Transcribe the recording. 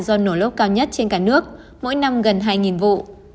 do nổ lốp cao nhất trên cả nước mỗi năm gần hai vụ